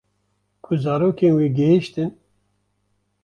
Ku zarokên wê gihîştin